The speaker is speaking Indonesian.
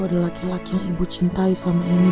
ada laki laki yang ibu cintai selama ini